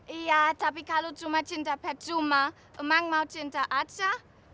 iya tapi kalau cuma cinta pet cuma emang mau cinta aja